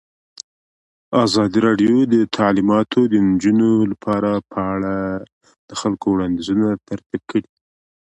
ازادي راډیو د تعلیمات د نجونو لپاره په اړه د خلکو وړاندیزونه ترتیب کړي.